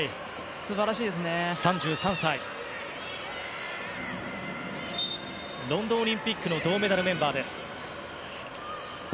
スコットはロンドンオリンピックの銅メダルメンバーです。